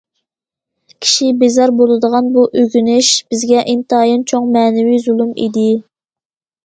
كىشى بىزار بولىدىغان بۇ ئۆگىنىش بىزگە ئىنتايىن چوڭ مەنىۋى زۇلۇم ئىدى.